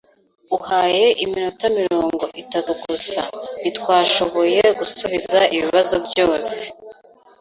Uhaye iminota mirongo itatu gusa, ntitwashoboye gusubiza ibibazo byose.